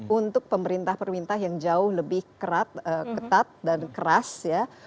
untuk pemerintah pemerintah yang jauh lebih ketat dan keras ya